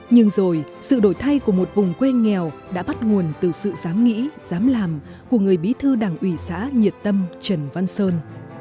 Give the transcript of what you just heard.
nhưng rồi sự đổi thay của một vùng quê nghèo đã bắt nguồn từ sự dám nghĩ dám làm của người bí thư đảng ủy xã nhiệt tâm trần văn sơn